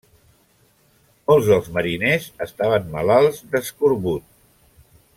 Molts dels mariners estaven malalts d'escorbut.